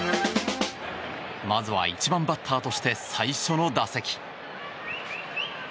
まずは１番バッターとして最初の打席。